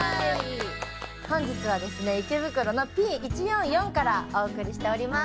本日は池袋のＰ‐１４４からお送りしております。